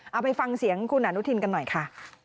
เอาไปฟังเสียงคุณอนุทินกันหน่อยค่ะ